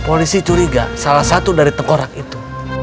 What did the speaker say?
polisi curiga salah satu dari tengkorak itu